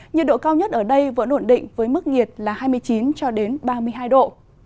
nhiệt độ cao nhất ở đây vẫn ổn định với mức nhiệt là hai mươi chín cho đến ba mươi hai độ